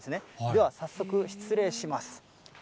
では早速、失礼します。